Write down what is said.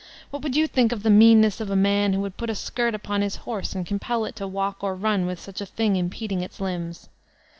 What would you think of the meanness of a man who would put a sldrt upon his horse and compel it to walk or run with such a thing impeding its timbs?